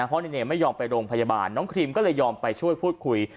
เพราะในเนยไม่ยอมไปโรงพยาบาลน้องครีมก็เลยยอมไปช่วยพูดคุย